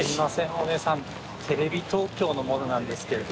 お姉さんテレビ東京の者なんですけれど。